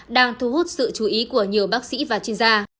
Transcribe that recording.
đang thu hút sự chú ý của nhiều bác sĩ và chuyên gia